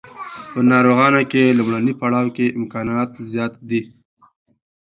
په ناروغانو کې لومړني پړاو کې امکانات زیات دي.